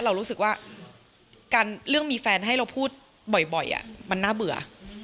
เรารู้สึกว่าเรื่องมีแฟนให้เราพูดบ่อยมันน่าเบื่อ